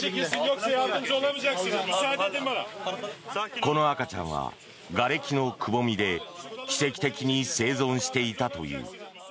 この赤ちゃんはがれきのくぼみで奇跡的に生存していたという。